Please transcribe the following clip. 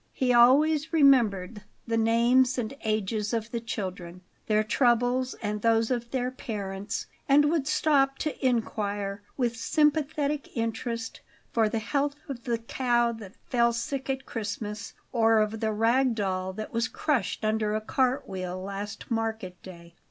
He always remembered the names and ages of the children, their troubles and those of their parents; and would stop to inquire, with sympathetic interest, for the health of the cow that fell sick at Christmas, or of the rag doll that was crushed under a cart wheel last market day.